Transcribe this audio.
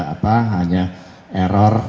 apa hanya error